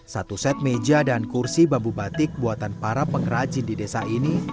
satu set meja dan kursi bambu batik buatan para pengrajin di desa ini